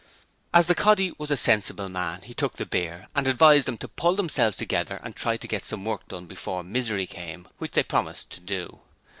As the 'coddy' was a sensible man he took the beer and advised them to pull themselves together and try to get some work done before Misery came, which they promised to do.